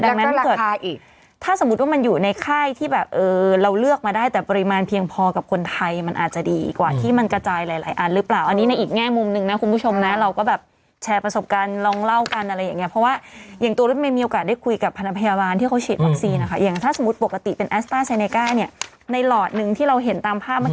ดังนั้นถ้าสมมุติว่ามันอยู่ในค่ายที่แบบเราเลือกมาได้แต่ปริมาณเพียงพอกับคนไทยมันอาจจะดีกว่าที่มันกระจายหลายหลายอันหรือเปล่าอันนี้ในอีกแง่มุมหนึ่งนะคุณผู้ชมนะเราก็แบบแชร์ประสบการณ์ลองเล่ากันอะไรอย่างเงี้ยเพราะว่าอย่างตัวเราไม่มีโอกาสได้คุยกับพนักพยาบาลที่เขาฉีดวัคซีนนะคะอย่างถ้าสมม